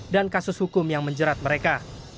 dan kasus hukum yang menjerat mereka